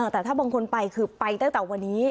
แต่ถ้าบางคนไปคือไปตั้งแต่วันนี้